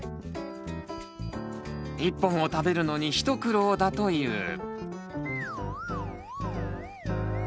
１本を食べるのに一苦労だという。